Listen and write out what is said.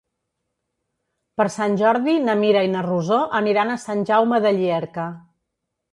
Per Sant Jordi na Mira i na Rosó aniran a Sant Jaume de Llierca.